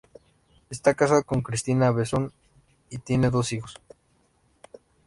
Está casado con Cristina Bessone y tiene dos hijos.